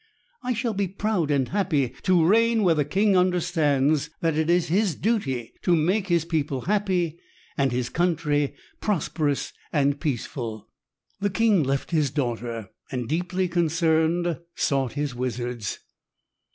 I shall be proud and happy to reign where the king understands that it is his duty to make his people happy and his country prosperous and peaceful." The king left his daughter, and, deeply concerned, sought his wizards.